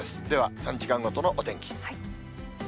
では、３時間ごとのお天気。